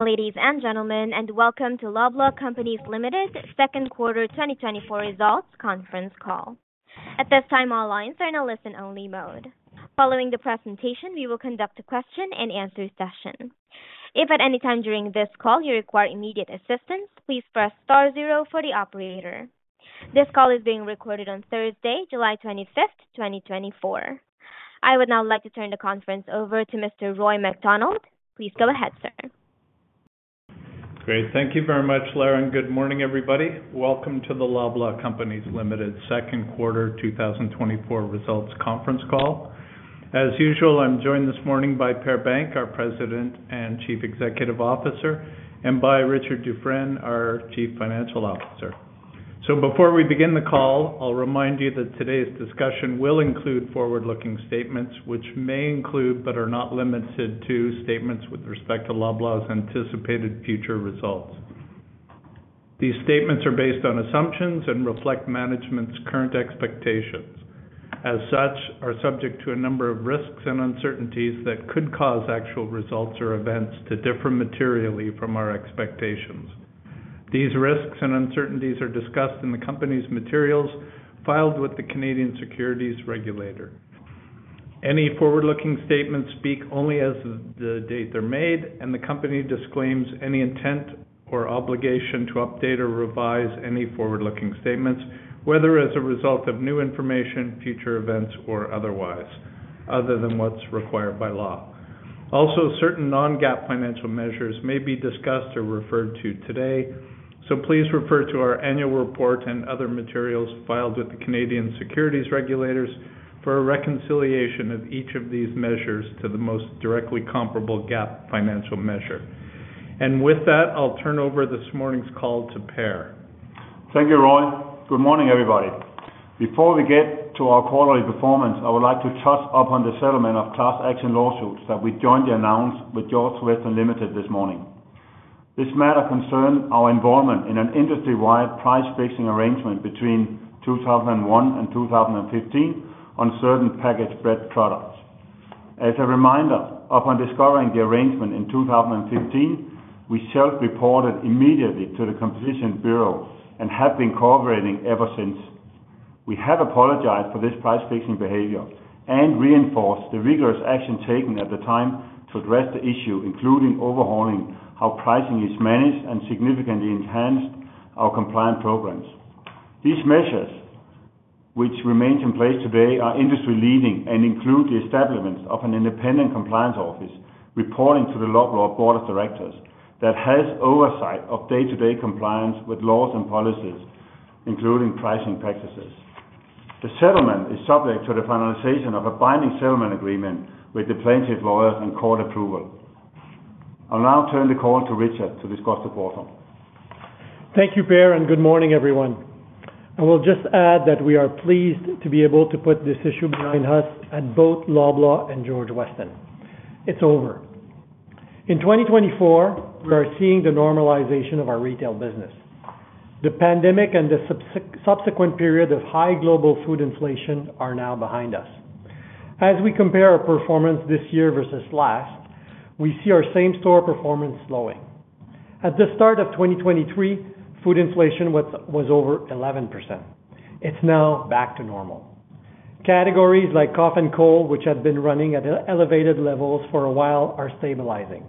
Ladies and gentlemen, and welcome to Loblaw Companies Limited's Second Quarter 2024 Results Conference Call. At this time, all lines are in a listen-only mode. Following the presentation, we will conduct a question-and-answer session. If at any time during this call you require immediate assistance, please press star zero for the operator. This call is being recorded on Thursday, July 25th, 2024. I would now like to turn the conference over to Mr. Roy MacDonald. Please go ahead, sir. Great. Thank you very much, Leron. Good morning, everybody. Welcome to the Loblaw Companies Limited's Second Quarter 2024 Results Conference call. As usual, I'm joined this morning by Per Bank, our President and Chief Executive Officer, and by Richard Dufresne, our Chief Financial Officer. Before we begin the call, I'll remind you that today's discussion will include forward-looking statements, which may include but are not limited to statements with respect to Loblaw's anticipated future results. These statements are based on assumptions and reflect management's current expectations. As such, they are subject to a number of risks and uncertainties that could cause actual results or events to differ materially from our expectations. These risks and uncertainties are discussed in the company's materials filed with the Canadian securities regulator. Any forward-looking statements speak only as the date they're made, and the company disclaims any intent or obligation to update or revise any forward-looking statements, whether as a result of new information, future events, or otherwise, other than what's required by law. Also, certain non-GAAP financial measures may be discussed or referred to today, so please refer to our annual report and other materials filed with the Canadian securities regulators for a reconciliation of each of these measures to the most directly comparable GAAP financial measure. With that, I'll turn over this morning's call to Per. Thank you, Roy. Good morning, everybody. Before we get to our quarterly performance, I would like to touch upon the settlement of class action lawsuits that we jointly announced with George Weston Limited this morning. This matter concerns our involvement in an industry-wide price-fixing arrangement between 2001 and 2015 on certain packaged bread products. As a reminder, upon discovering the arrangement in 2015, we self-reported immediately to the Competition Bureau and have been cooperating ever since. We have apologized for this price-fixing behavior and reinforced the rigorous action taken at the time to address the issue, including overhauling how pricing is managed and significantly enhanced our compliance programs. These measures, which remain in place today, are industry-leading and include the establishment of an independent compliance office reporting to the Loblaw Board of Directors that has oversight of day-to-day compliance with laws and policies, including pricing practices. The settlement is subject to the finalization of a binding settlement agreement with the plaintiff's lawyers and court approval. I'll now turn the call to Richard to discuss the quarter. Thank you, Per, and good morning, everyone. I will just add that we are pleased to be able to put this issue behind us at both Loblaw and George Weston. It's over. In 2024, we are seeing the normalization of our retail business. The pandemic and the subsequent period of high global food inflation are now behind us. As we compare our performance this year versus last, we see our same-store performance slowing. At the start of 2023, food inflation was over 11%. It's now back to normal. Categories like cough and cold, which had been running at elevated levels for a while, are stabilizing.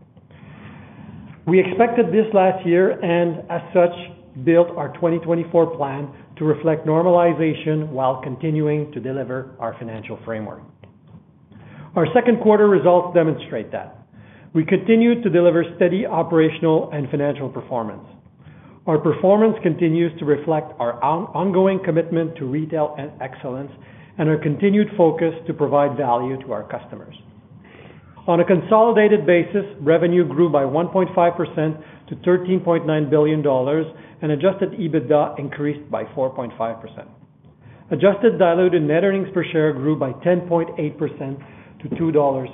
We expected this last year and, as such, built our 2024 plan to reflect normalization while continuing to deliver our financial framework. Our second quarter results demonstrate that. We continue to deliver steady operational and financial performance. Our performance continues to reflect our ongoing commitment to retail and excellence and our continued focus to provide value to our customers. On a consolidated basis, revenue grew by 1.5% to 13.9 billion dollars, and Adjusted EBITDA increased by 4.5%. Adjusted Diluted Net Earnings per Share grew by 10.8% to 2.15 dollars.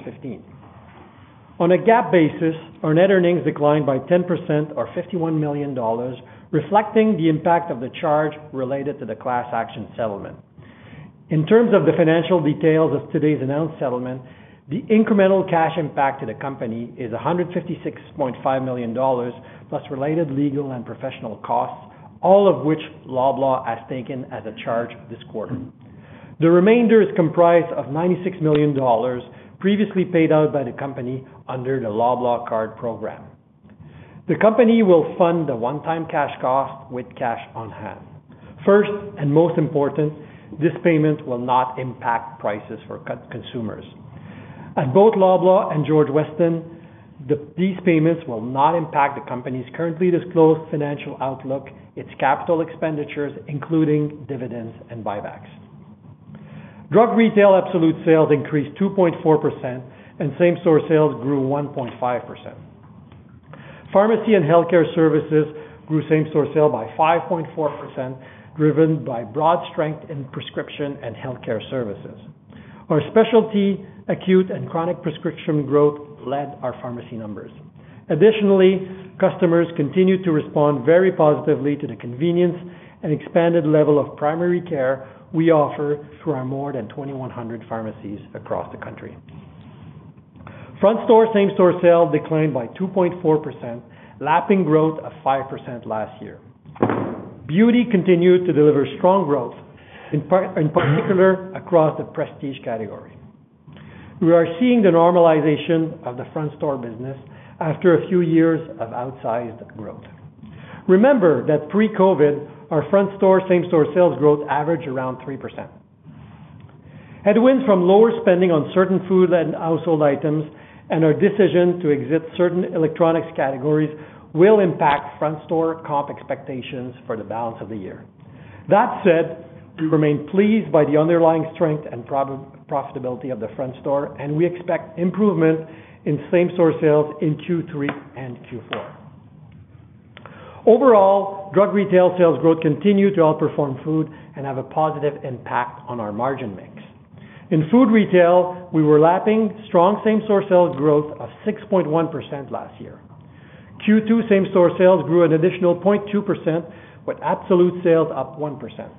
On a GAAP basis, our net earnings declined by 10%, or 51 million dollars, reflecting the impact of the charge related to the class action settlement. In terms of the financial details of today's announced settlement, the incremental cash impact to the company is 156.5 million dollars plus related legal and professional costs, all of which Loblaw has taken as a charge this quarter. The remainder is comprised of 96 million dollars previously paid out by the company under the Loblaw Card Program. The company will fund the one-time cash cost with cash on hand. First and most important, this payment will not impact prices for consumers. At both Loblaw and George Weston, these payments will not impact the company's currently disclosed financial outlook, its capital expenditures, including dividends and buybacks. Drug retail absolute sales increased 2.4%, and same-store sales grew 1.5%. Pharmacy and healthcare services grew same-store sales by 5.4%, driven by broad strength in prescription and healthcare services. Our specialty, acute and chronic prescription growth, led our pharmacy numbers. Additionally, customers continue to respond very positively to the convenience and expanded level of primary care we offer through our more than 2,100 pharmacies across the country. Front-store, same-store sales declined by 2.4%, lapping growth of 5% last year. Beauty continued to deliver strong growth, in particular across the prestige category. We are seeing the normalization of the front-store business after a few years of outsized growth. Remember that pre-COVID, our front-store, same-store sales growth averaged around 3%. Headwinds from lower spending on certain food and household items and our decision to exit certain electronics categories will impact front-store comp expectations for the balance of the year. That said, we remain pleased by the underlying strength and profitability of the front store, and we expect improvement in same-store sales in Q3 and Q4. Overall, drug retail sales growth continued to outperform food and have a positive impact on our margin mix. In food retail, we were lapping strong same-store sales growth of 6.1% last year. Q2, same-store sales grew an additional 0.2%, with absolute sales up 1%.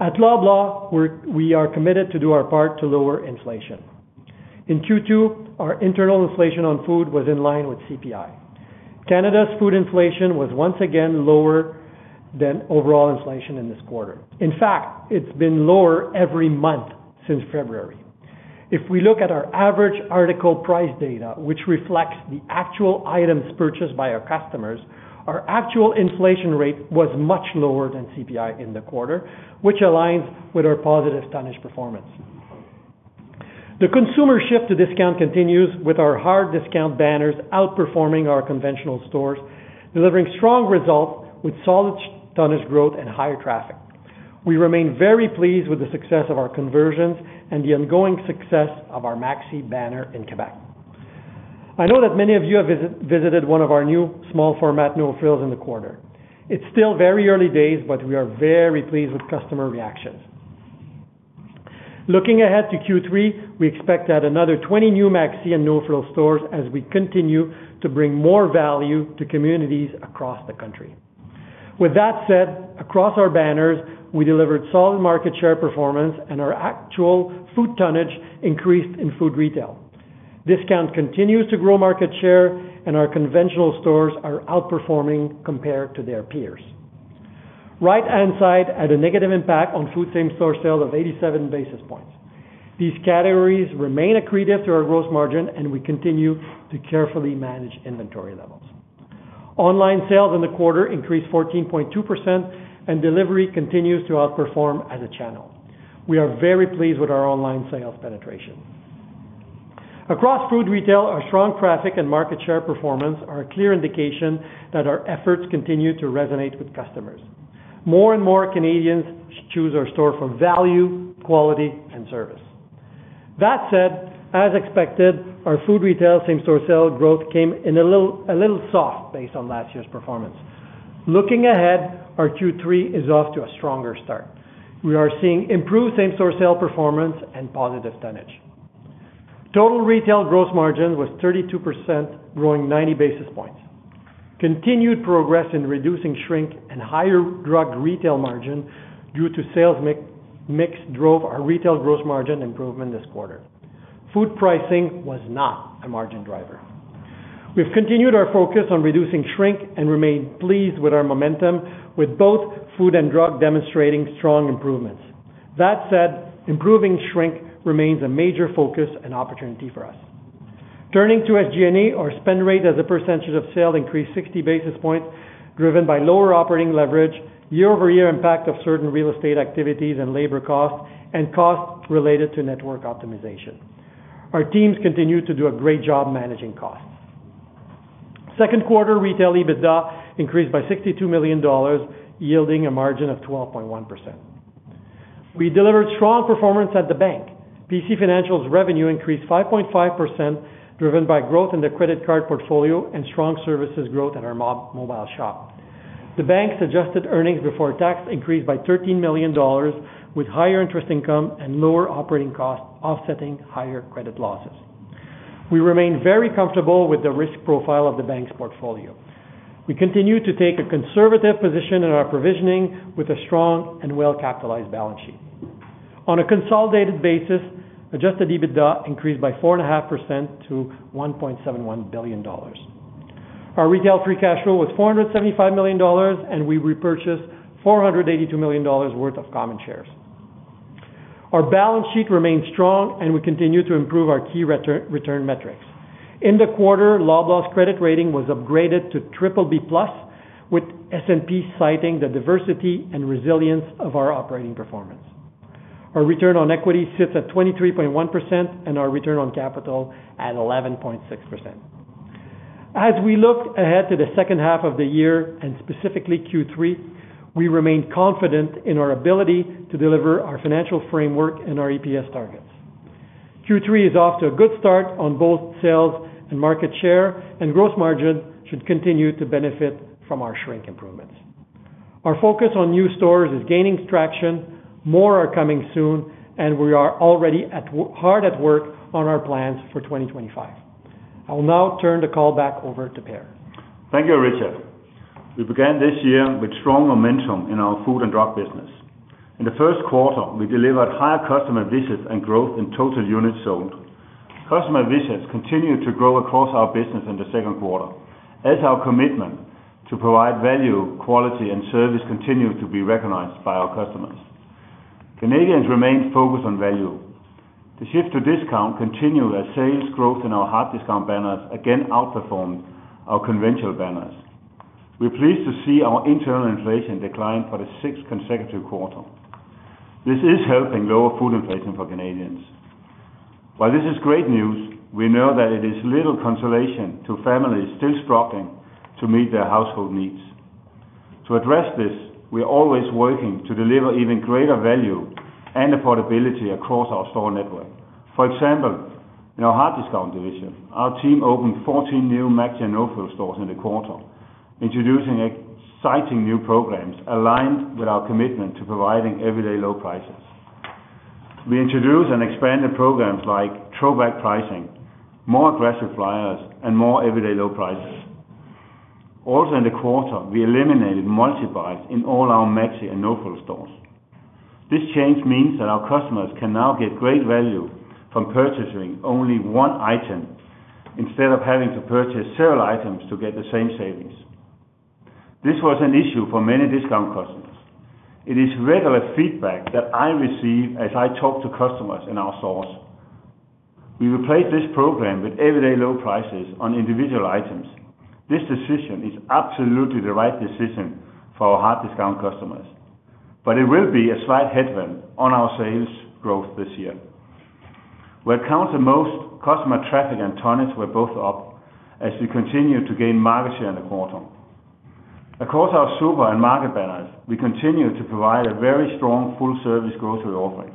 At Loblaw, we are committed to do our part to lower inflation. In Q2, our internal inflation on food was in line with CPI. Canada's food inflation was once again lower than overall inflation in this quarter. In fact, it's been lower every month since February. If we look at our average article price data, which reflects the actual items purchased by our customers, our actual inflation rate was much lower than CPI in the quarter, which aligns with our positive tonnage performance. The consumer shift to discount continues, with our hard discount banners outperforming our conventional stores, delivering strong results with solid tonnage growth and higher traffic. We remain very pleased with the success of our conversions and the ongoing success of our Maxi banner in Quebec. I know that many of you have visited one of our new small-format No Frills in the quarter. It's still very early days, but we are very pleased with customer reactions. Looking ahead to Q3, we expect to add another 20 new Maxi and No Frills stores as we continue to bring more value to communities across the country. With that said, across our banners, we delivered solid market share performance, and our actual food tonnage increased in food retail. Discount continues to grow market share, and our conventional stores are outperforming compared to their peers. Right-hand side had a negative impact on food same-store sales of 87 basis points. These categories remain accretive to our gross margin, and we continue to carefully manage inventory levels. Online sales in the quarter increased 14.2%, and delivery continues to outperform as a channel. We are very pleased with our online sales penetration. Across food retail, our strong traffic and market share performance are a clear indication that our efforts continue to resonate with customers. More and more Canadians choose our store for value, quality, and service. That said, as expected, our food retail same-store sales growth came in a little soft based on last year's performance. Looking ahead, our Q3 is off to a stronger start. We are seeing improved same-store sales performance and positive tonnage. Total retail gross margin was 32%, growing 90 basis points. Continued progress in reducing shrink and higher drug retail margin due to sales mix drove our retail gross margin improvement this quarter. Food pricing was not a margin driver. We've continued our focus on reducing shrink and remain pleased with our momentum, with both food and drug demonstrating strong improvements. That said, improving shrink remains a major focus and opportunity for us. Turning to SG&A, our spend rate as a percentage of sales increased 60 basis points, driven by lower operating leverage, year-over-year impact of certain real estate activities and labor costs, and costs related to network optimization. Our teams continue to do a great job managing costs. Second quarter retail EBITDA increased by 62 million dollars, yielding a margin of 12.1%. We delivered strong performance at the bank. PC Financial's revenue increased 5.5%, driven by growth in the credit card portfolio and strong services growth at our Mobile Shop. The bank's adjusted earnings before tax increased by 13 million dollars, with higher interest income and lower operating costs offsetting higher credit losses. We remain very comfortable with the risk profile of the bank's portfolio. We continue to take a conservative position in our provisioning with a strong and well-capitalized balance sheet. On a consolidated basis, adjusted EBITDA increased by 4.5% to 1.71 billion dollars. Our retail free cash flow was 475 million dollars, and we repurchased 482 million dollars worth of common shares. Our balance sheet remains strong, and we continue to improve our key return metrics. In the quarter, Loblaw's credit rating was upgraded to BBB Plus, with S&P citing the diversity and resilience of our operating performance. Our return on equity sits at 23.1%, and our return on capital at 11.6%. As we look ahead to the second half of the year, and specifically Q3, we remain confident in our ability to deliver our financial framework and our EPS targets. Q3 is off to a good start on both sales and market share, and gross margin should continue to benefit from our shrink improvements. Our focus on new stores is gaining traction. More are coming soon, and we are already hard at work on our plans for 2025. I will now turn the call back over to Per. Thank you, Richard. We began this year with strong momentum in our food and drug business. In the first quarter, we delivered higher customer visits and growth in total units sold. Customer visits continued to grow across our business in the second quarter, as our commitment to provide value, quality, and service continues to be recognized by our customers. Canadians remain focused on value. The shift to discount continued as sales growth in our hard discount banners again outperformed our conventional banners. We're pleased to see our internal inflation decline for the sixth consecutive quarter. This is helping lower food inflation for Canadians. While this is great news, we know that it is little consolation to families still struggling to meet their household needs. To address this, we are always working to deliver even greater value and affordability across our store network. For example, in our hard discount division, our team opened 14 new Maxi and No Frills stores in the quarter, introducing exciting new programs aligned with our commitment to providing everyday low prices. We introduced and expanded programs like Throwback Pricing, more aggressive flyers, and more everyday low prices. Also, in the quarter, we eliminated multi-buys in all our Maxi and No Frills stores. This change means that our customers can now get great value from purchasing only one item instead of having to purchase several items to get the same savings. This was an issue for many discount customers. It is regular feedback that I receive as I talk to customers in our stores. We replaced this program with everyday low prices on individual items. This decision is absolutely the right decision for our hard discount customers, but it will be a slight headwind on our sales growth this year. Where it counts the most, customer traffic and tonnage were both up as we continue to gain market share in the quarter. Across our super and market banners, we continue to provide a very strong full-service grocery offering.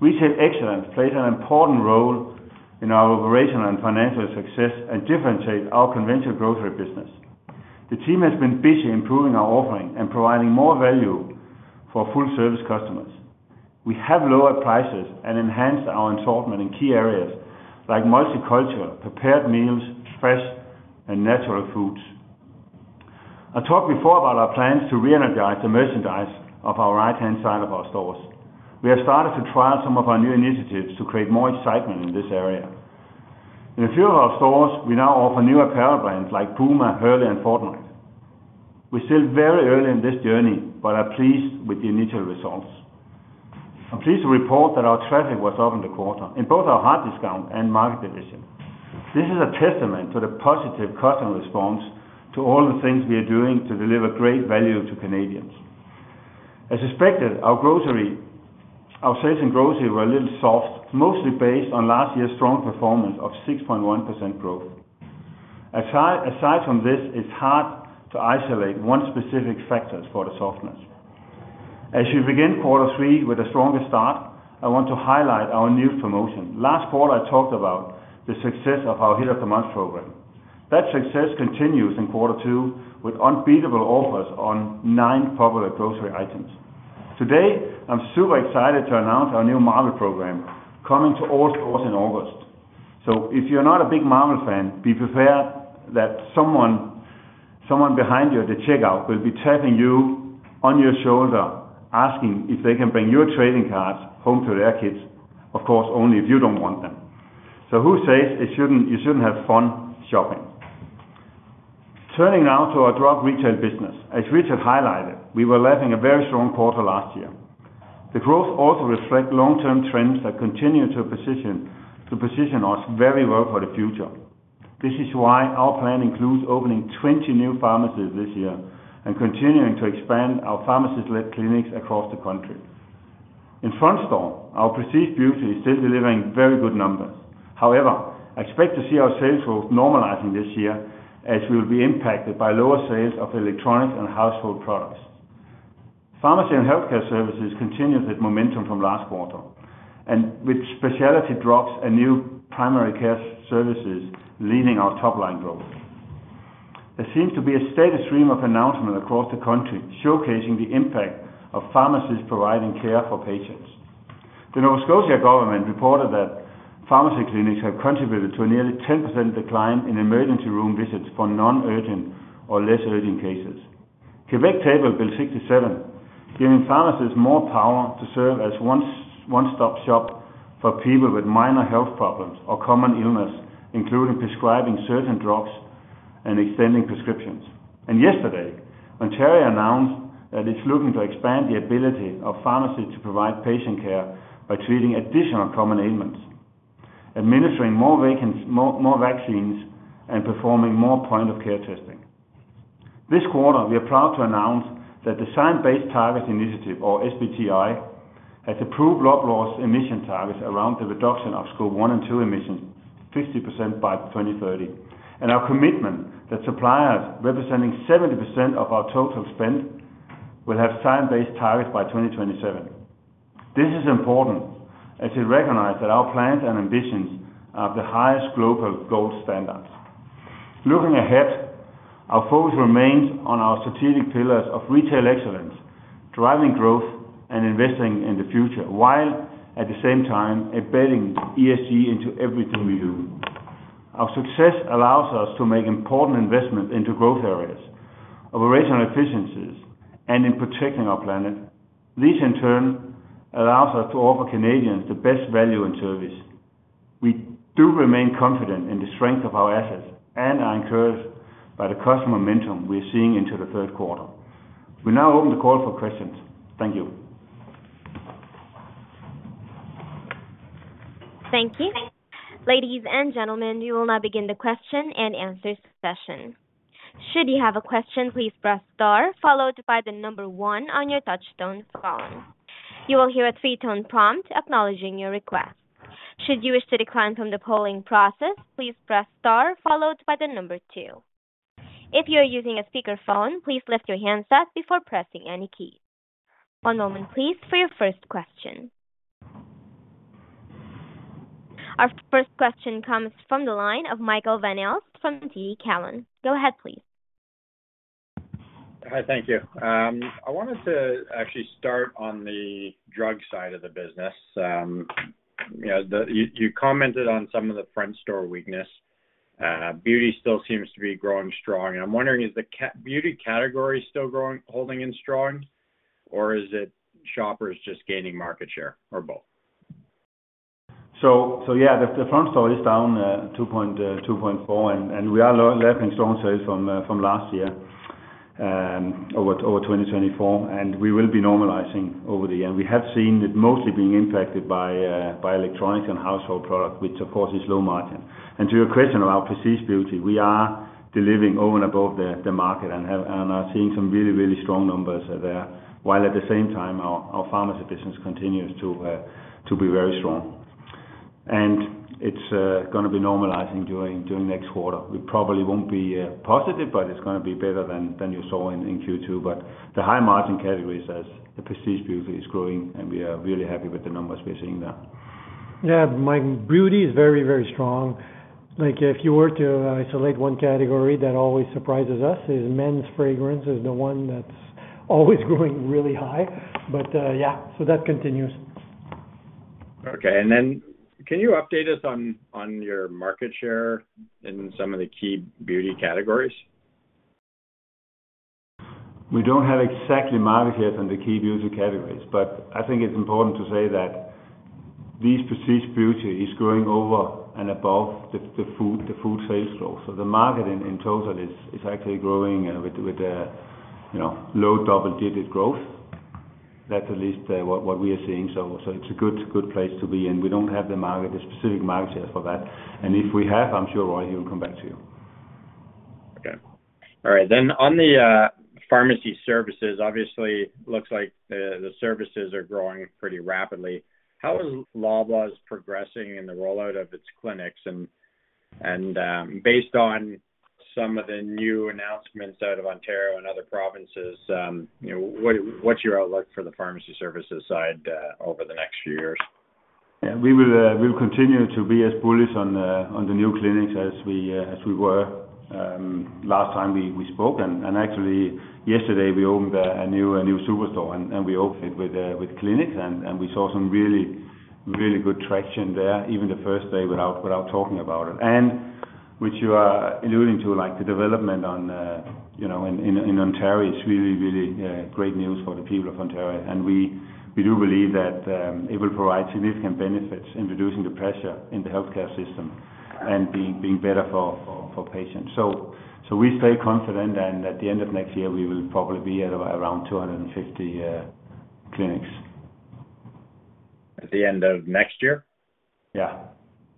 Retail excellence plays an important role in our operational and financial success and differentiates our conventional grocery business. The team has been busy improving our offering and providing more value for full-service customers. We have lowered prices and enhanced our assortment in key areas like multicultural, prepared meals, fresh, and natural foods. I talked before about our plans to re-energize the merchandise of our right-hand side of our stores. We have started to trial some of our new initiatives to create more excitement in this area. In a few of our stores, we now offer new apparel brands like Puma, Hurley, and Fortnite. We're still very early in this journey, but are pleased with the initial results. I'm pleased to report that our traffic was up in the quarter in both our hard discount and market division. This is a testament to the positive customer response to all the things we are doing to deliver great value to Canadians. As expected, our sales in grocery were a little soft, mostly based on last year's strong performance of 6.1% growth. Aside from this, it's hard to isolate one specific factor for the softness. As we begin quarter three with a stronger start, I want to highlight our new promotion. Last quarter, I talked about the success of our Hit of the Month program. That success continues in quarter two with unbeatable offers on nine popular grocery items. Today, I'm super excited to announce our new Marvel program coming to all stores in August. So if you're not a big Marvel fan, be prepared that someone behind you at the checkout will be tapping you on your shoulder, asking if they can bring your trading cards home to their kids, of course, only if you don't want them. So who says you shouldn't have fun shopping? Turning now to our drug retail business. As Richard highlighted, we were lapping a very strong quarter last year. The growth also reflects long-term trends that continue to position us very well for the future. This is why our plan includes opening 20 new pharmacies this year and continuing to expand our pharmacist-led clinics across the country. In front store, our prestige beauty is still delivering very good numbers. However, I expect to see our sales growth normalizing this year as we will be impacted by lower sales of electronics and household products. Pharmacy and healthcare services continued with momentum from last quarter, and with specialty drugs and new primary care services leading our top-line growth. There seems to be a steady stream of announcements across the country showcasing the impact of pharmacies providing care for patients. The Nova Scotia government reported that pharmacy clinics have contributed to a nearly 10% decline in emergency room visits for non-urgent or less urgent cases. Quebec tabled Bill 67, giving pharmacies more power to serve as one-stop shop for people with minor health problems or common illness, including prescribing certain drugs and extending prescriptions. Yesterday, Ontario announced that it's looking to expand the ability of pharmacy to provide patient care by treating additional common ailments, administering more vaccines, and performing more point-of-care testing. This quarter, we are proud to announce that the Science Based Targets initiative, or SBTi, has approved Loblaw's emission targets around the reduction of Scope 1 and 2 emissions 50% by 2030, and our commitment that suppliers representing 70% of our total spend will have science-based targets by 2027. This is important as we recognize that our plans and ambitions are of the highest global gold standards. Looking ahead, our focus remains on our strategic pillars of retail excellence, driving growth and investing in the future, while at the same time embedding ESG into everything we do. Our success allows us to make important investments into growth areas, operational efficiencies, and in protecting our planet. This, in turn, allows us to offer Canadians the best value and service. We do remain confident in the strength of our assets and are encouraged by the customer momentum we are seeing into the third quarter. We now open the call for questions. Thank you. Thank you. Ladies and gentlemen, we will now begin the question and answer session. Should you have a question, please press star, followed by the number one on your touch-tone phone. You will hear a three-tone prompt acknowledging your request. Should you wish to decline from the polling process, please press star, followed by the number two. If you are using a speakerphone, please lift your hands up before pressing any key. One moment, please, for your first question. Our first question comes from the line of Michael Van Aelst from TD Cowen. Go ahead, please. Hi, thank you. I wanted to actually start on the drug side of the business. You commented on some of the front store weakness. Beauty still seems to be growing strong. And I'm wondering, is the beauty category still holding in strong, or is it Shoppers just gaining market share or both? So yeah, the front store is down 2.4, and we are lapping strong sales from last year, over 2024, and we will be normalizing over the year. And we have seen it mostly being impacted by electronics and household products, which, of course, is low margin. And to your question about prestige beauty, we are delivering over and above the market and are seeing some really, really strong numbers there, while at the same time, our pharmacy business continues to be very strong. And it's going to be normalizing during next quarter. We probably won't be positive, but it's going to be better than you saw in Q2. But the high margin categories as the prestige beauty is growing, and we are really happy with the numbers we're seeing there. Yeah, our beauty is very, very strong. If you were to isolate one category that always surprises us, it's men's fragrance. It's the one that's always growing really high. But yeah, so that continues. Okay. And then can you update us on your market share in some of the key beauty categories? We don't have exactly market shares in the key beauty categories, but I think it's important to say that this prestige beauty is growing over and above the food sales growth. So the market in total is actually growing with low double-digit growth. That's at least what we are seeing. So it's a good place to be, and we don't have the specific market shares for that. And if we have, I'm sure Roy will come back to you. Okay. All right. Then on the pharmacy services, obviously, it looks like the services are growing pretty rapidly. How is Loblaw's progressing in the rollout of its clinics? And based on some of the new announcements out of Ontario and other provinces, what's your outlook for the pharmacy services side over the next few years? Yeah, we will continue to be as bullish on the new clinics as we were last time we spoke. Actually, yesterday, we opened a new superstore, and we opened it with clinics, and we saw some really, really good traction there, even the first day without talking about it. And which you are alluding to, like the development in Ontario is really, really great news for the people of Ontario. And we do believe that it will provide significant benefits in reducing the pressure in the healthcare system and being better for patients. So we stay confident, and at the end of next year, we will probably be at around 250 clinics. At the end of next year? Yeah.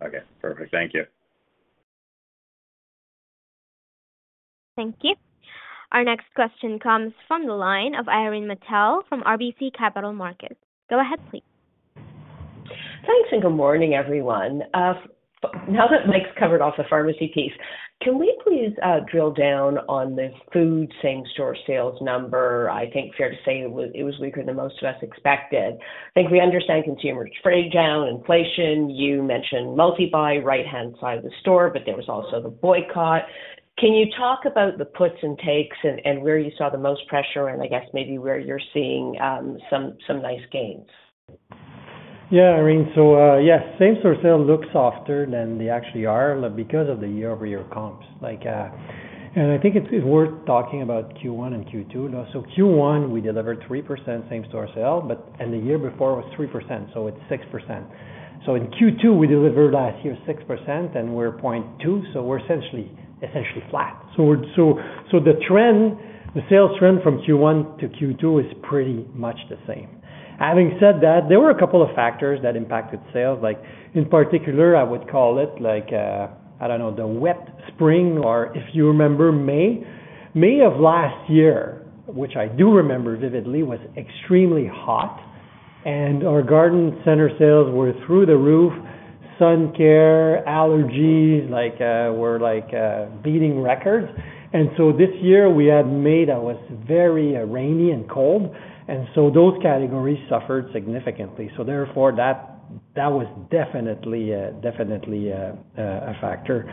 Okay. Perfect. Thank you. Thank you. Our next question comes from the line of Irene Nattel from RBC Capital Markets. Go ahead, please. Thanks, and good morning, everyone. Now that Mike's covered off the pharmacy piece, can we please drill down on the food same-store sales number? I think it's fair to say it was weaker than most of us expected. I think we understand consumer trade down, inflation. You mentioned multi-buy, right-hand side of the store, but there was also the boycott. Can you talk about the puts and takes and where you saw the most pressure and, I guess, maybe where you're seeing some nice gains? Yeah, I mean, so yes, same-store sales look softer than they actually are because of the year-over-year comps. I think it's worth talking about Q1 and Q2. So Q1, we delivered 3% same-store sales, and the year before was 3%, so it's 6%. So in Q2, we delivered last year 6%, and we're 0.2%, so we're essentially flat. So the sales trend from Q1 to Q2 is pretty much the same. Having said that, there were a couple of factors that impacted sales. In particular, I would call it, I don't know, the wet spring. Or if you remember May of last year, which I do remember vividly, was extremely hot, and our garden center sales were through the roof. Sun care, allergies were beating records. And so this year, we had May that was very rainy and cold, and so those categories suffered significantly. Therefore, that was definitely a factor.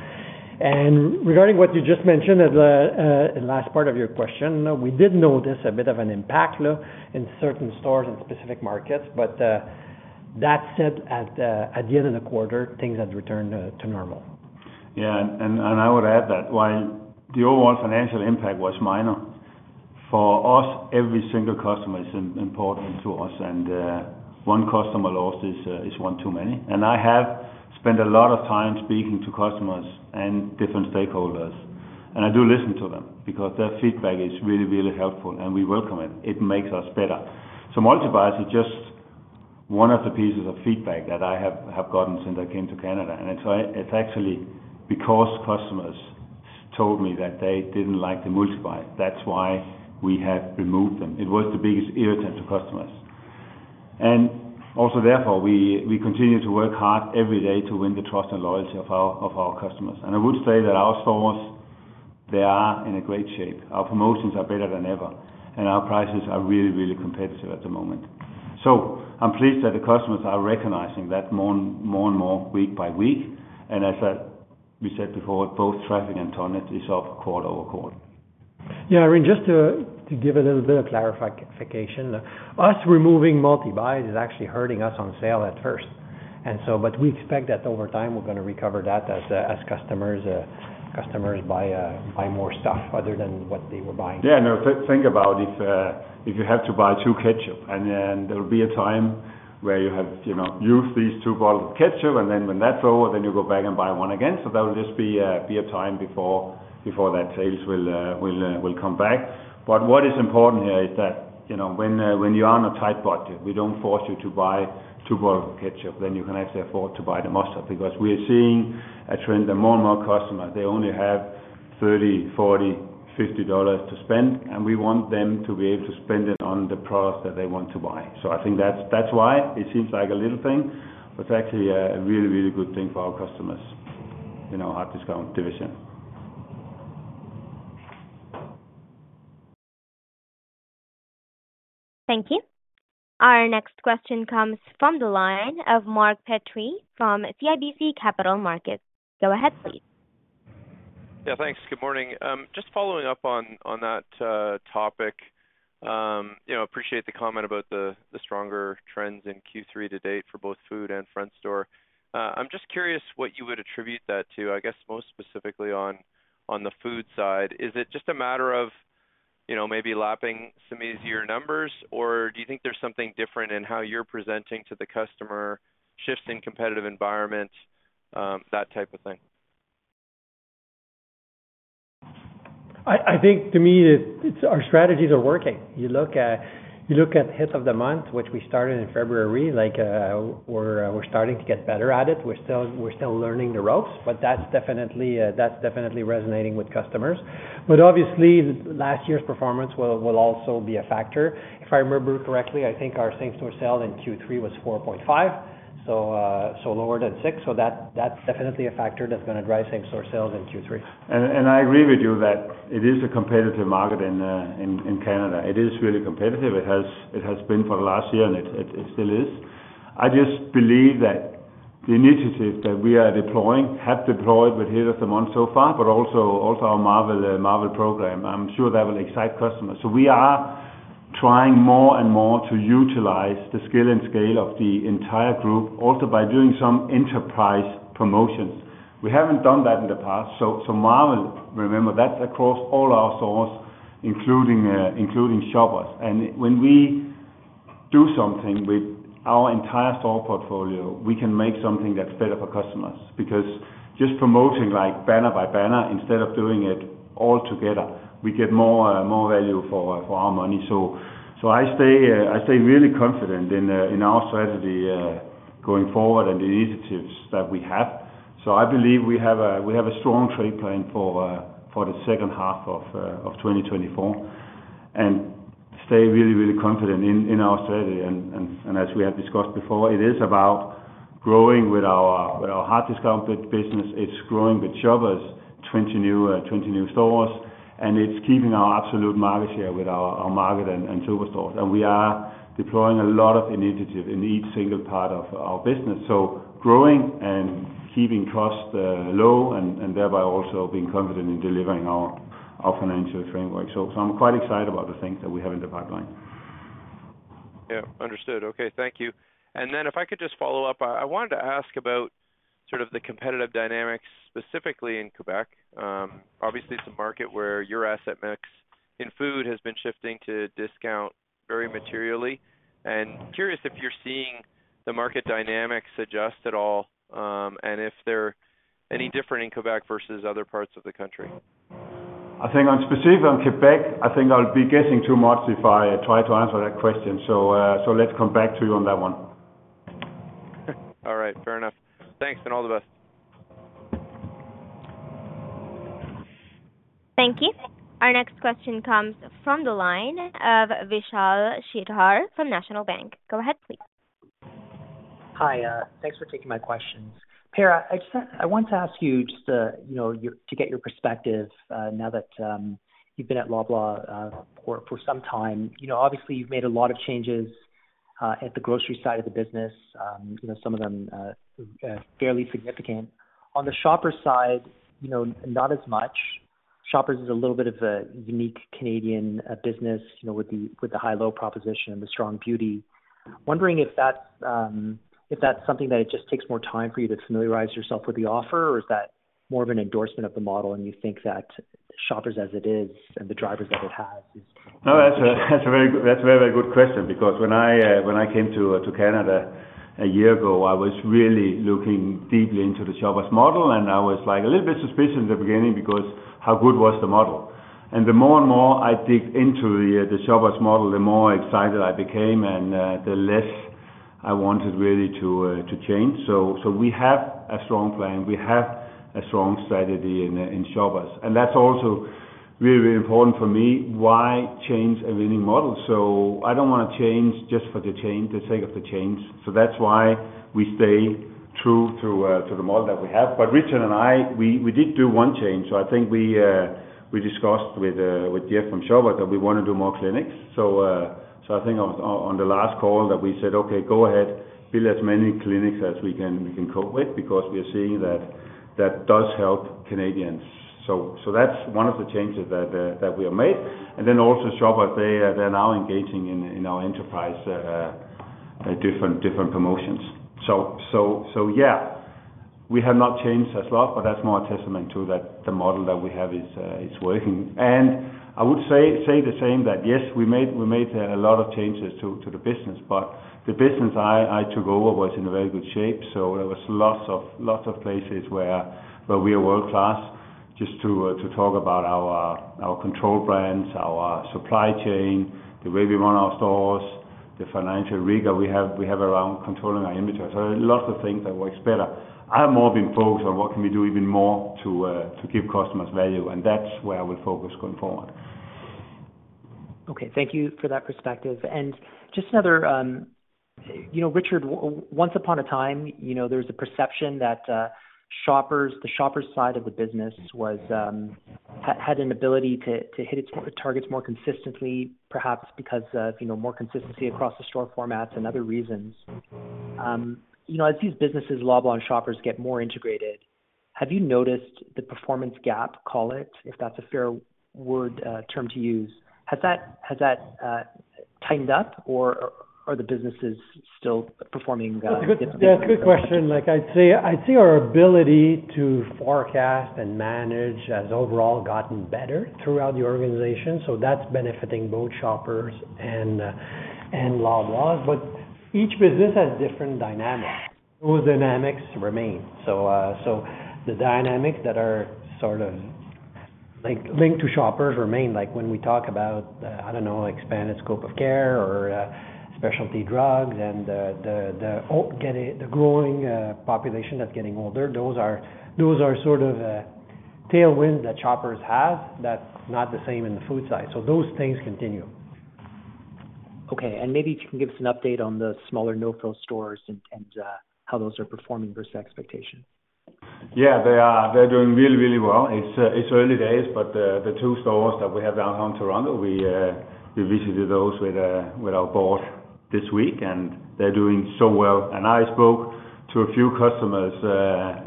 Regarding what you just mentioned in the last part of your question, we did notice a bit of an impact in certain stores and specific markets. That said, at the end of the quarter, things had returned to normal. Yeah. And I would add that while the overall financial impact was minor, for us, every single customer is important to us, and one customer lost is one too many. And I have spent a lot of time speaking to customers and different stakeholders, and I do listen to them because their feedback is really, really helpful, and we welcome it. It makes us better. So multi-buy is just one of the pieces of feedback that I have gotten since I came to Canada. And it's actually because customers told me that they didn't like the multi-buy. That's why we have removed them. It was the biggest irritant to customers. And also therefore, we continue to work hard every day to win the trust and loyalty of our customers. And I would say that our stores, they are in great shape. Our promotions are better than ever, and our prices are really, really competitive at the moment. So I'm pleased that the customers are recognizing that more and more week by week. And as we said before, both traffic and tonnage is up quarter-over-quarter. Yeah, I mean, just to give a little bit of clarification, us removing multi-buys is actually hurting us on sale at first. But we expect that over time, we're going to recover that as customers buy more stuff other than what they were buying. Yeah. No, think about if you have to buy two ketchups, and then there will be a time where you have used these two bottles of ketchup, and then when that's over, then you go back and buy one again. So that will just be a time before that sales will come back. But what is important here is that when you are on a tight budget, we don't force you to buy two bottles of ketchup, then you can actually afford to buy the most stuff because we are seeing a trend that more and more customers, they only have 30, 40, 50 dollars to spend, and we want them to be able to spend it on the products that they want to buy. I think that's why it seems like a little thing, but it's actually a really, really good thing for our customers, a hard discount division. Thank you. Our next question comes from the line of Mark Petrie from CIBC Capital Markets. Go ahead, please. Yeah, thanks. Good morning. Just following up on that topic, appreciate the comment about the stronger trends in Q3 to date for both food and front store. I'm just curious what you would attribute that to, I guess, most specifically on the food side. Is it just a matter of maybe lapping some easier numbers, or do you think there's something different in how you're presenting to the customer, shifts in competitive environment, that type of thing? I think to me, our strategies are working. You look at the Hit of the Month, which we started in February, we're starting to get better at it. We're still learning the ropes, but that's definitely resonating with customers. But obviously, last year's performance will also be a factor. If I remember correctly, I think our same-store sales in Q3 was 4.5, so lower than 6. So that's definitely a factor that's going to drive same-store sales in Q3. And I agree with you that it is a competitive market in Canada. It is really competitive. It has been for the last year, and it still is. I just believe that the initiative that we are deploying have deployed with Hit of the Month so far, but also our Marvel program. I'm sure that will excite customers. So we are trying more and more to utilize the skill and scale of the entire group, also by doing some enterprise promotions. We haven't done that in the past. So Marvel, remember, that's across all our stores, including Shoppers. And when we do something with our entire store portfolio, we can make something that's better for customers because just promoting banner by banner instead of doing it all together, we get more value for our money. I stay really confident in our strategy going forward and the initiatives that we have. I believe we have a strong trade plan for the second half of 2024 and stay really, really confident in our strategy. As we have discussed before, it is about growing with our hard discount business. It's growing with shoppers, 20 new stores, and it's keeping our absolute market share with our market and superstores. We are deploying a lot of initiatives in each single part of our business. Growing and keeping costs low and thereby also being confident in delivering our financial framework. I'm quite excited about the things that we have in the pipeline. Yeah. Understood. Okay. Thank you. And then if I could just follow up, I wanted to ask about sort of the competitive dynamics specifically in Quebec. Obviously, it's a market where your asset mix in food has been shifting to discount very materially. And curious if you're seeing the market dynamics adjust at all and if they're any different in Quebec versus other parts of the country? I think I'm specific on Quebec. I think I'll be guessing too much if I try to answer that question. Let's come back to you on that one. All right. Fair enough. Thanks and all the best. Thank you. Our next question comes from the line of Vishal Shreedhar from National Bank. Go ahead, please. Hi. Thanks for taking my questions. Per, I want to ask you just to get your perspective now that you've been at Loblaw for some time. Obviously, you've made a lot of changes at the grocery side of the business, some of them fairly significant. On the Shoppers side, not as much. Shoppers is a little bit of a unique Canadian business with the high-low proposition and the strong beauty. Wondering if that's something that it just takes more time for you to familiarize yourself with the offer, or is that more of an endorsement of the model and you think that Shoppers as it is and the drivers that it has is? No, that's a very good question because when I came to Canada a year ago, I was really looking deeply into the Shoppers' model, and I was a little bit suspicious in the beginning because how good was the model? And the more and more I dig into the Shoppers' model, the more excited I became and the less I wanted really to change. So we have a strong plan. We have a strong strategy in Shoppers. And that's also really, really important for me. Why change a winning model? So I don't want to change just for the sake of the change. So that's why we stay true to the model that we have. But Richard and I, we did do one change. So I think we discussed with Jeff from Shoppers that we want to do more clinics. So I think on the last call that we said, "Okay, go ahead, build as many clinics as we can cope with because we are seeing that that does help Canadians." So that's one of the changes that we have made. And then also Shoppers, they are now engaging in our enterprise different promotions. So yeah, we have not changed a lot, but that's more a testament to that the model that we have is working. And I would say the same that yes, we made a lot of changes to the business, but the business I took over was in very good shape. So there were lots of places where we are world-class just to talk about our control brands, our supply chain, the way we run our stores, the financial rigor we have around controlling our inventory. So lots of things that work better. I have more been focused on what can we do even more to give customers value, and that's where I will focus going forward. Okay. Thank you for that perspective. And just another, Richard, once upon a time, there was a perception that the Shoppers' side of the business had an ability to hit its targets more consistently, perhaps because of more consistency across the store formats and other reasons. As these businesses, Loblaw and Shoppers, get more integrated, have you noticed the performance gap, call it, if that's a fair word term to use? Has that tightened up, or are the businesses still performing? That's a good question. I'd say our ability to forecast and manage has overall gotten better throughout the organization. So that's benefiting both Shoppers and Loblaw. But each business has different dynamics. Those dynamics remain. So the dynamics that are sort of linked to Shoppers remain. When we talk about, I don't know, expanded scope of care or specialty drugs and the growing population that's getting older, those are sort of tailwinds that Shoppers have that's not the same in the food side. So those things continue. Okay. Maybe if you can give us an update on the smaller No Frills stores and how those are performing versus expectations? Yeah. They're doing really, really well. It's early days, but the two stores that we have downtown Toronto, we visited those with our board this week, and they're doing so well. And I spoke to a few customers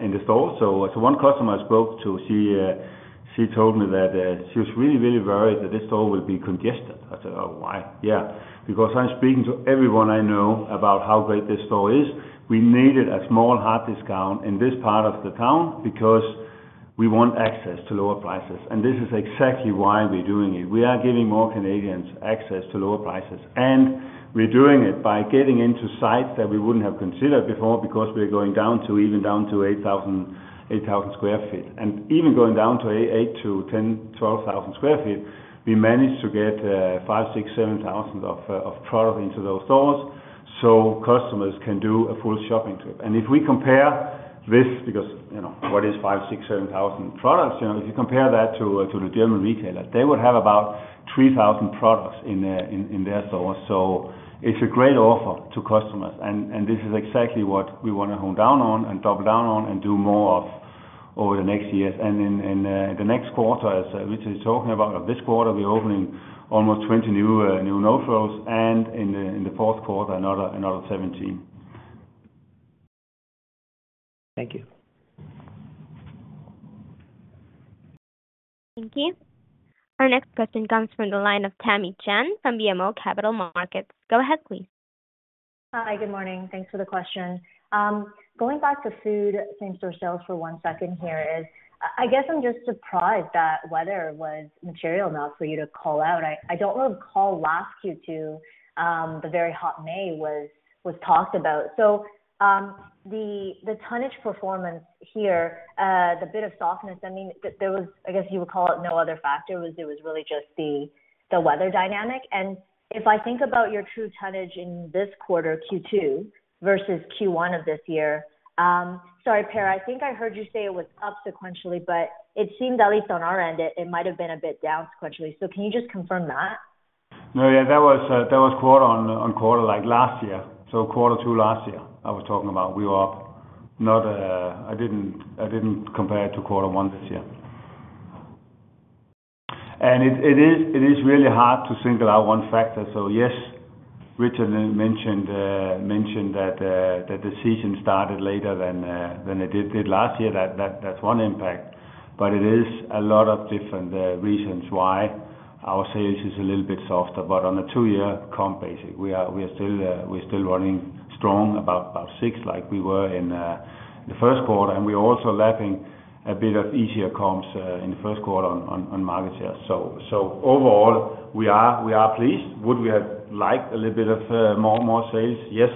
in the store. So one customer I spoke to, she told me that she was really, really worried that this store will be congested. I said, "Oh, why?" Yeah. Because I'm speaking to everyone I know about how great this store is. We needed a small hard discount in this part of the town because we want access to lower prices. And this is exactly why we're doing it. We are giving more Canadians access to lower prices. And we're doing it by getting into sites that we wouldn't have considered before because we're going down to even down to 8,000 sq ft. Even going down to 8-10, 12,000 sq ft, we managed to get 5,000, 6,000, 7,000 of product into those stores so customers can do a full shopping trip. If we compare this because what is 5,000, 6,000, 7,000 products? If you compare that to the German retailer, they would have about 3,000 products in their stores. So it's a great offer to customers. This is exactly what we want to hone down on and double down on and do more of over the next years. In the next quarter, as Richard is talking about, this quarter, we're opening almost 20 new No Frills. In the fourth quarter, another 17. Thank you. Thank you. Our next question comes from the line of Tammy Chen from BMO Capital Markets. Go ahead, please. Hi. Good morning. Thanks for the question. Going back to food, same-store sales for one second here, I guess I'm just surprised that weather was material enough for you to call out. I don't know if call last Q2, the very hot May was talked about. So the tonnage performance here, the bit of softness, I mean, there was, I guess you would call it no other factor. It was really just the weather dynamic. And if I think about your true tonnage in this quarter, Q2 versus Q1 of this year, sorry, Per, I think I heard you say it was up sequentially, but it seemed at least on our end, it might have been a bit down sequentially. So can you just confirm that? No, yeah, that was quarter-on-quarter like last year. So quarter two last year, I was talking about. We were up. I didn't compare it to quarter one this year. And it is really hard to single out one factor. So yes, Richard mentioned that the season started later than it did last year. That's one impact. But it is a lot of different reasons why our sales is a little bit softer. But on a two-year comp basis, we are still running strong about 6 like we were in the first quarter. And we're also lapping a bit of easier comps in the first quarter on market share. So overall, we are pleased. Would we have liked a little bit more sales? Yes.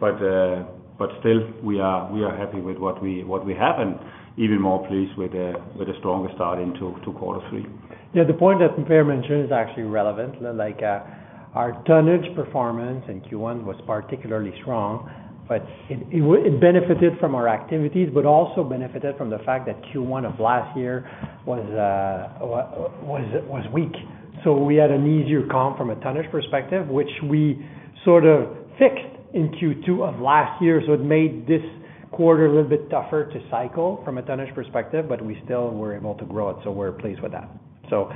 But still, we are happy with what we have and even more pleased with a stronger start into quarter three. Yeah. The point that Per mentioned is actually relevant. Our tonnage performance in Q1 was particularly strong, but it benefited from our activities, but also benefited from the fact that Q1 of last year was weak. So we had an easier comp from a tonnage perspective, which we sort of fixed in Q2 of last year. So it made this quarter a little bit tougher to cycle from a tonnage perspective, but we still were able to grow it. So we're pleased with that. So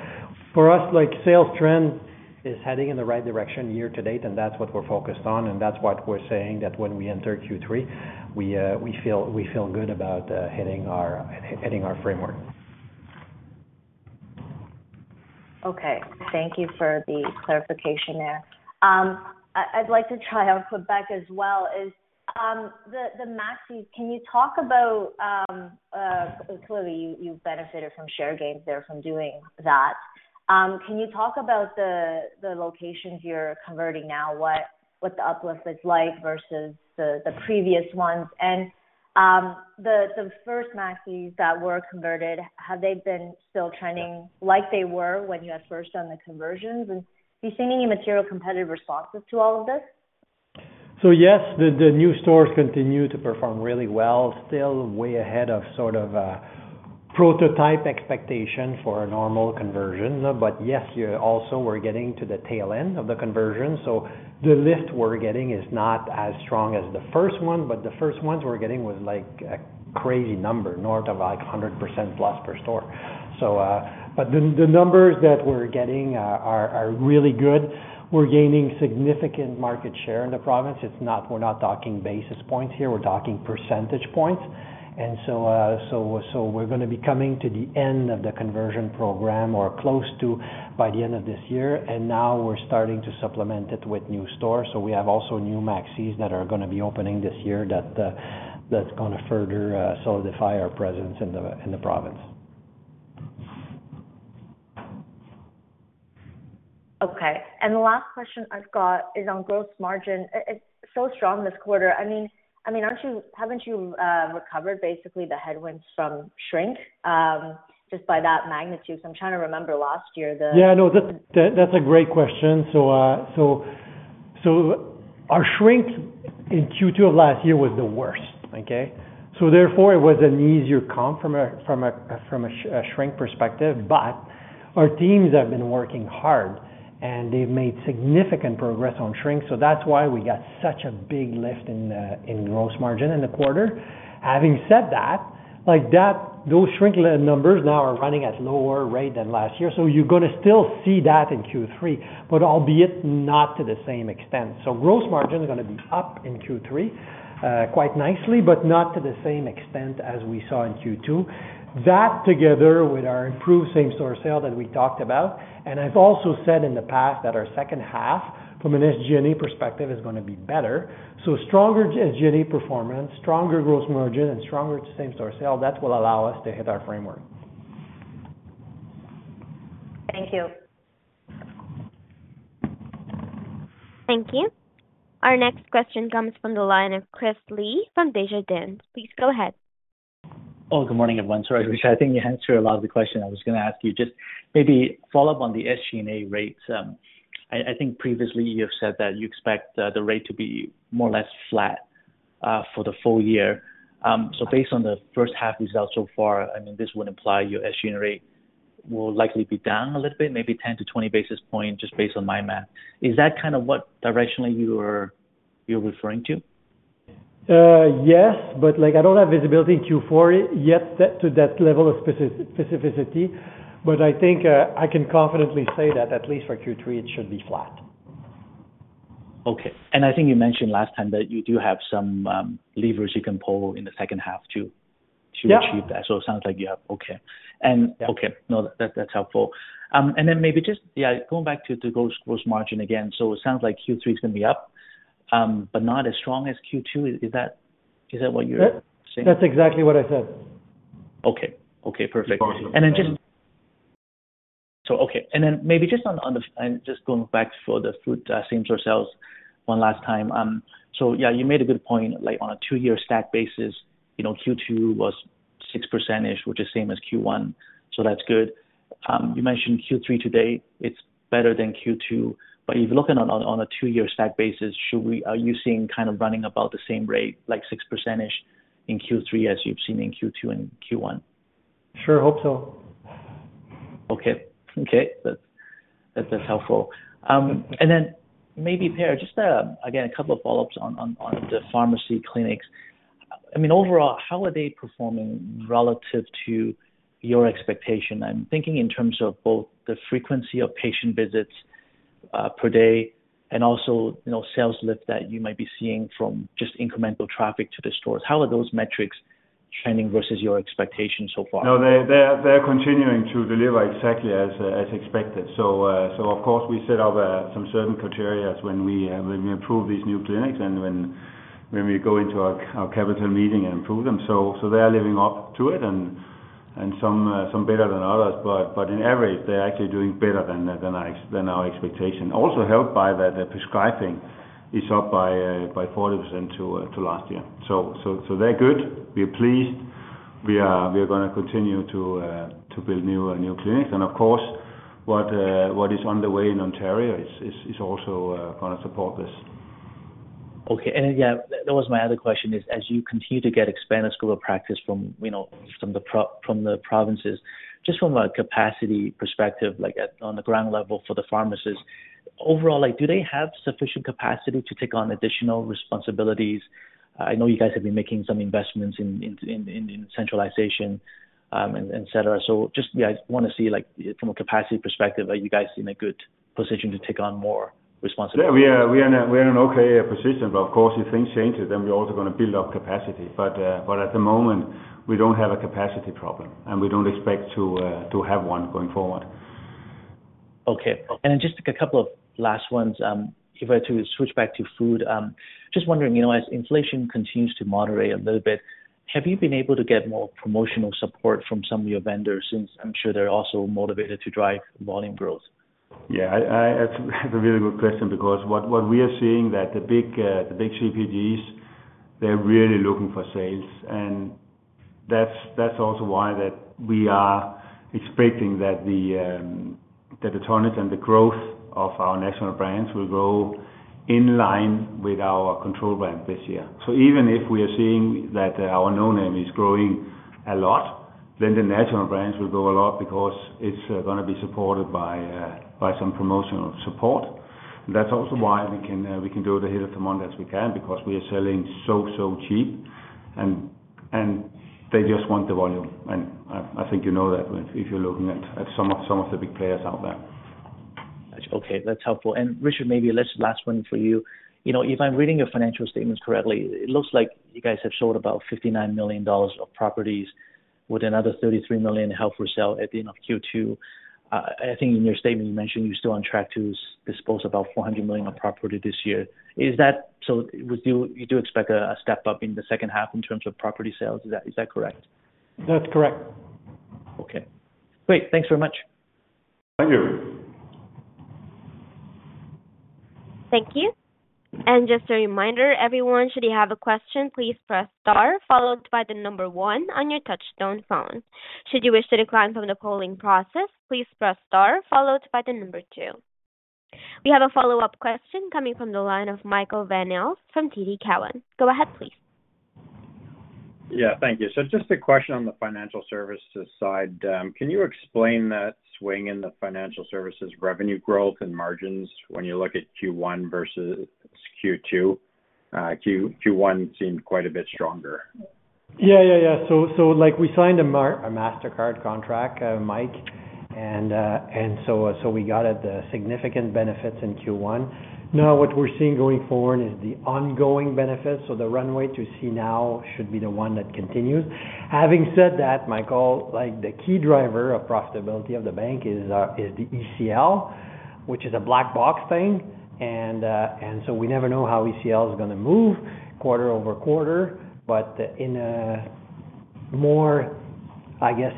for us, sales trend is heading in the right direction year to date, and that's what we're focused on. And that's what we're saying that when we enter Q3, we feel good about hitting our framework. Okay. Thank you for the clarification there. I'd like to turn to Quebec as well. The Maxis, can you talk about clearly, you benefited from share gains there from doing that. Can you talk about the locations you're converting now, what the uplift is like versus the previous ones? And the first Maxis that were converted, have they been still trending like they were when you had first done the conversions? And do you see any material competitive responses to all of this? So yes, the new stores continue to perform really well. Still way ahead of sort of prototype expectation for a normal conversion. But yes, also we're getting to the tail end of the conversion. So the lift we're getting is not as strong as the first one, but the first ones we're getting was like a crazy number, north of 100%+ per store. But the numbers that we're getting are really good. We're gaining significant market share in the province. We're not talking basis points here. We're talking percentage points. And so we're going to be coming to the end of the conversion program or close to by the end of this year. And now we're starting to supplement it with new stores. So we have also new Maxis that are going to be opening this year that's going to further solidify our presence in the province. Okay. And the last question I've got is on gross margin. It's so strong this quarter. I mean, haven't you recovered basically the headwinds from shrink just by that magnitude? So I'm trying to remember last year the. Yeah. No, that's a great question. So our shrink in Q2 of last year was the worst. Okay? So therefore, it was an easier comp from a shrink perspective. But our teams have been working hard, and they've made significant progress on shrink. So that's why we got such a big lift in gross margin in the quarter. Having said that, those shrink numbers now are running at lower rate than last year. So you're going to still see that in Q3, but albeit not to the same extent. So gross margin is going to be up in Q3 quite nicely, but not to the same extent as we saw in Q2. That together with our improved same-store sales that we talked about. And I've also said in the past that our second half from an SG&A perspective is going to be better. Stronger SG&A performance, stronger gross margin, and stronger same-store sales, that will allow us to hit our framework. Thank you. Thank you. Our next question comes from the line of Chris Li from Desjardins. Please go ahead. Oh, good morning, everyone. Sorry, Richard. I think you answered a lot of the questions I was going to ask you. Just maybe follow up on the SG&A rates. I think previously you have said that you expect the rate to be more or less flat for the full year. So based on the first half results so far, I mean, this would imply your SG&A rate will likely be down a little bit, maybe 10-20 basis points just based on my math. Is that kind of what directionally you're referring to? Yes, but I don't have visibility in Q4 yet to that level of specificity. But I think I can confidently say that at least for Q3, it should be flat. Okay. And I think you mentioned last time that you do have some levers you can pull in the second half to achieve that. So it sounds like you have. Okay. And okay. No, that's helpful. And then maybe just, yeah, going back to gross margin again. So it sounds like Q3 is going to be up, but not as strong as Q2. Is that what you're saying? That's exactly what I said. Okay. Okay. Perfect. And then just. Gross margin. Okay. Then maybe just going back for the same-store sales one last time. Yeah, you made a good point. On a two-year stack basis, Q2 was 6%-ish, which is same as Q1. That's good. You mentioned Q3 today, it's better than Q2. But if you're looking on a two-year stack basis, are you seeing kind of running about the same rate, like 6%-ish in Q3 as you've seen in Q2 and Q1? Sure. Hope so. Okay. Okay. That's helpful. And then maybe, Per Bank, just again, a couple of follow-ups on the pharmacy clinics. I mean, overall, how are they performing relative to your expectation? I'm thinking in terms of both the frequency of patient visits per day and also sales lift that you might be seeing from just incremental traffic to the stores. How are those metrics trending versus your expectation so far? No, they are continuing to deliver exactly as expected. So of course, we set up some certain criteria when we approve these new clinics and when we go into our capital meeting and approve them. So they are living up to it and some better than others. But on average, they're actually doing better than our expectation. Also helped by that the prescribing is up by 40% to last year. So they're good. We're pleased. We are going to continue to build new clinics. And of course, what is on the way in Ontario is also going to support this. Okay. And yeah, that was my other question is, as you continue to get expanded scope of practice from the provinces, just from a capacity perspective, on the ground level for the pharmacists, overall, do they have sufficient capacity to take on additional responsibilities? I know you guys have been making some investments in centralization, etc. So just, yeah, I want to see from a capacity perspective, are you guys in a good position to take on more responsibilities? Yeah. We are in an okay position. But of course, if things change, then we're also going to build up capacity. But at the moment, we don't have a capacity problem, and we don't expect to have one going forward. Okay. And then just a couple of last ones. If I were to switch back to food, just wondering, as inflation continues to moderate a little bit, have you been able to get more promotional support from some of your vendors since I'm sure they're also motivated to drive volume growth? Yeah. That's a really good question because what we are seeing is that the big CPGs, they're really looking for sales. And that's also why that we are expecting that the tonnage and the growth of our national brands will grow in line with our control brand this year. So even if we are seeing that our No Name is growing a lot, then the national brands will grow a lot because it's going to be supported by some promotional support. And that's also why we can do the Hit of the Month as we can because we are selling so, so cheap, and they just want the volume. And I think you know that if you're looking at some of the big players out there. Okay. That's helpful. And Richard, maybe just last one for you. If I'm reading your financial statements correctly, it looks like you guys have sold about 59 million dollars of properties with another 33 million held for sale at the end of Q2. I think in your statement, you mentioned you're still on track to dispose of about 400 million of property this year. So you do expect a step up in the second half in terms of property sales. Is that correct? That's correct. Okay. Great. Thanks very much. Thank you. Thank you. And just a reminder, everyone, should you have a question, please press star followed by the number one on your touch-tone phone. Should you wish to decline from the polling process, please press star followed by the number two. We have a follow-up question coming from the line of Michael Van Aelst from TD Cowen. Go ahead, please. Yeah. Thank you. So just a question on the financial services side. Can you explain that swing in the financial services revenue growth and margins when you look at Q1 versus Q2? Q1 seemed quite a bit stronger. Yeah, yeah, yeah. So we signed a Mastercard contract, Mike. And so we got significant benefits in Q1. Now, what we're seeing going forward is the ongoing benefits. So the runway to see now should be the one that continues. Having said that, Michael, the key driver of profitability of the bank is the ECL, which is a black box thing. And so we never know how ECL is going to move quarter-over-quarter. But in a more, I guess,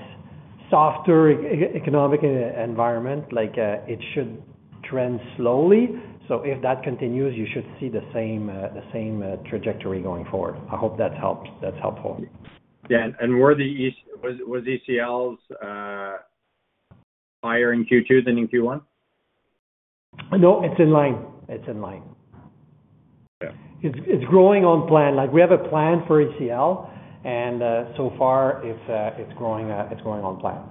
softer economic environment, it should trend slowly. So if that continues, you should see the same trajectory going forward. I hope that's helpful. Yeah. Was ECL's higher in Q2 than in Q1? No, it's in line. It's in line. It's growing on plan. We have a plan for ECL, and so far, it's growing on plan.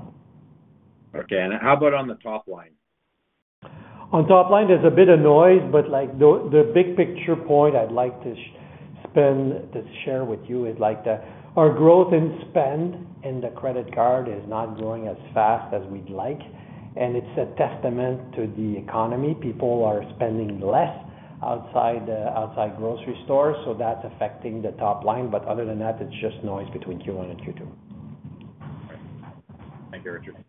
Okay. And how about on the top line? On top line, there's a bit of noise, but the big picture point I'd like to spend to share with you is our growth in spend and the credit card is not growing as fast as we'd like. It's a testament to the economy. People are spending less outside grocery stores, so that's affecting the top line. But other than that, it's just noise between Q1 and Q2. Thank you, Richard. Thank you.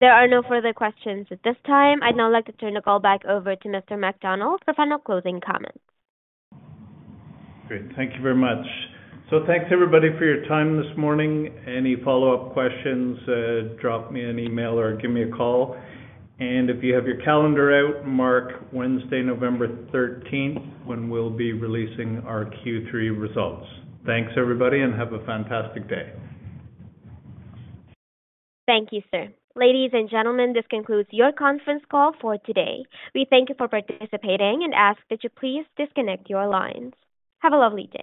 There are no further questions at this time. I'd now like to turn the call back over to Mr. MacDonald for final closing comments. Great. Thank you very much. Thanks, everybody, for your time this morning. Any follow-up questions, drop me an email or give me a call. If you have your calendar out, mark Wednesday, November 13th, when we'll be releasing our Q3 results. Thanks, everybody, and have a fantastic day. Thank you, sir. Ladies and gentlemen, this concludes your conference call for today. We thank you for participating and ask that you please disconnect your lines. Have a lovely day.